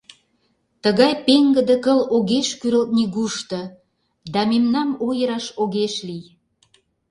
Тыгай пеҥгыде кыл огеш кӱрылт нигушто, Да мемнам ойыраш огеш лий!